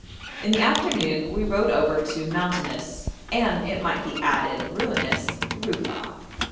In the afternoon we rode over to Mountainous (and, it might be added, ruinous) Rufa'a.